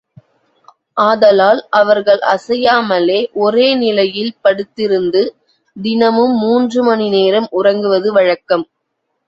ஆதலால், அவர்கள் அசையாமலே ஒரே நிலையில் படுத்திருந்து தினமும் மூன்று மணிநேரம் உறங்குவது வழக்கம்.